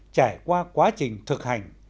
trải qua quá trình thực hành